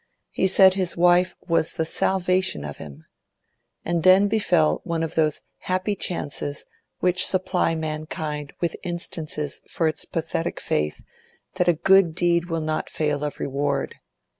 He said his wife was the salvation of him. And then befell one of those happy chances which supply mankind with instances for its pathetic faith that a good deed will not fail of reward.